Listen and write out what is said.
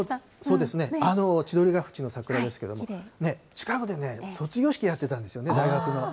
そうですね、千鳥ヶ淵の桜ですけどもね、近くで卒業式やってたんですよね、大学の。